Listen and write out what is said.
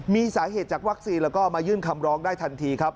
มีสาเหตุจากวัคซีนแล้วก็มายื่นคำร้องได้ทันทีครับ